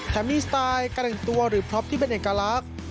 มีสไตล์การแต่งตัวหรือพล็อปที่เป็นเอกลักษณ์